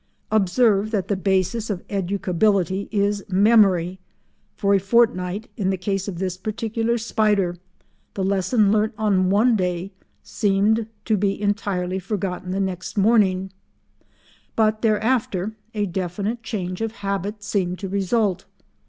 Observe that the basis of educability is memory. For a fortnight, in the case of this particular spider, the lesson learnt on one day seemed to be entirely forgotten the next morning, but thereafter a definite change of habit seemed to result.